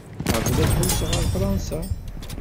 Qabel ad ḥewseɣ ar Fṛansa.